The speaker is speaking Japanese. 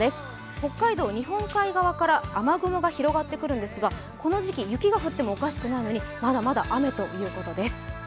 北海道、日本海側から雨雲が広がってくるんですがこの時期、雪が降ってもおかしくないのに、まだまだ雨ということです